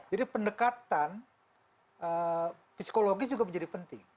jadi pendekatan psikologis juga menjadi penting